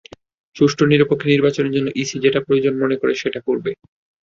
সুষ্ঠু, নিরপেক্ষ নির্বাচনের জন্য ইসি যেটা প্রয়োজন মনে করে সেটা করবে।